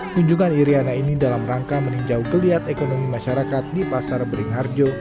kunjungan iryana ini dalam rangka meninjau kelihat ekonomi masyarakat di pasar beringharjo